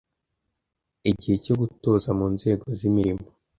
Igihe cyo gutoza mu nzego z’imirimo